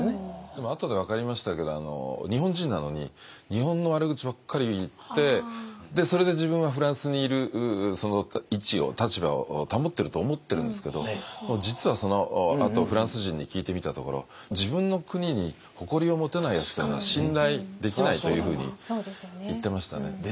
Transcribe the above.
でもあとで分かりましたけど日本人なのに日本の悪口ばっかり言ってでそれで自分はフランスにいる位置を立場を保ってると思ってるんですけど実はそのあとフランス人に聞いてみたところ自分の国に誇りを持てないやつというのは信頼できないというふうに言ってましたね。